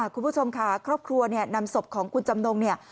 คุณผู้ชมค่ะครอบครัวเนี่ยนำศพของคุณจำนงเนี่ย